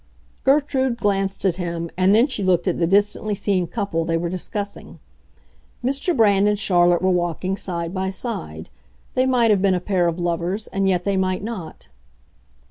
Gertrude glanced at him, and then she looked at the distantly seen couple they were discussing. Mr. Brand and Charlotte were walking side by side. They might have been a pair of lovers, and yet they might not.